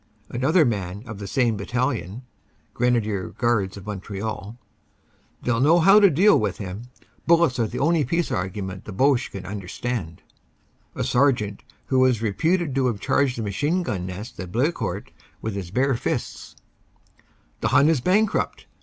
Another man of the same battalion (Grenadier Guards of Montreal) : "They ll know how to deal with him. Bullets are the only peace argument the Boche can understand." A Sergeant who was reputed to have charged a machine gun nest in Blecourt with his bare fists : "The Hun is bank rupt.